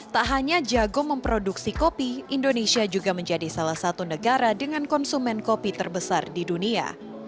tak hanya jago memproduksi kopi indonesia juga menjadi salah satu negara dengan konsumen kopi terbesar di dunia